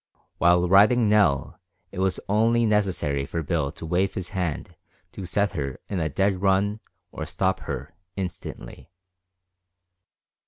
While riding Nell it was only necessary for Bill to wave his hand to set her in a dead run or stop her instantly.